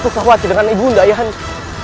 apa khawatir dengan ibu anda ayah anda